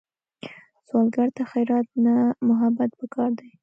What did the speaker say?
سوالګر ته خیرات نه، محبت پکار دی